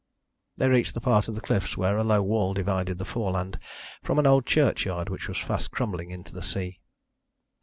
They reached a part of the cliffs where a low wall divided the foreland from an old churchyard which was fast crumbling into the sea.